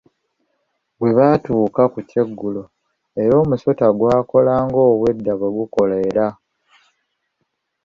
Bwe batuuka ku kyeggulo, era omusota gwakola ng’obwedda bwegukola, era